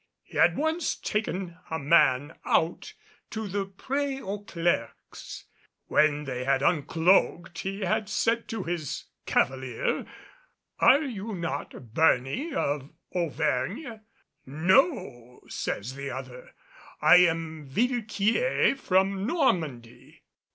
He had once taken a man out to the Prè aux clercs. When they had uncloaked, he had said to his cavalier, "Are you not Berny of Auvergne?" "No," says the other, "I am Villequier from Normandy."